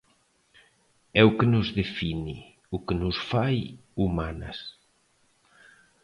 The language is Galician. É o que nos define, o que nos fai humanas.